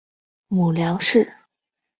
母梁氏。